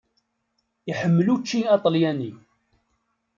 Iḥemmel učči aṭelyani.